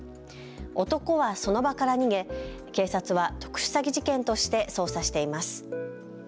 男はその場から逃げ警察は特殊詐欺事件として捜査しています。